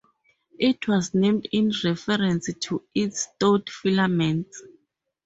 It was named in reference to its stout filaments.